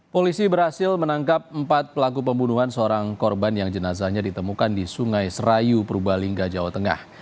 polisi berhasil menangkap empat pelaku pembunuhan seorang korban yang jenazahnya ditemukan di sungai serayu purbalingga jawa tengah